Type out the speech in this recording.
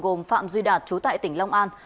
gồm phạm duy đạt chú tại tỉnh long an